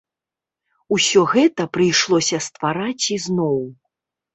Усё гэта прыйшлося ствараць ізноў.